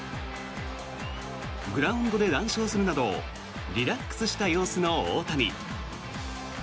グラウンドで談笑するなどリラックスした様子の大谷。